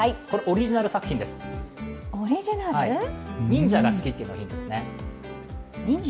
忍者が好きっていうのがヒントですね。